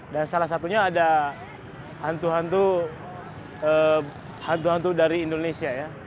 dan salah satunya ada hantu hantu dari indonesia ya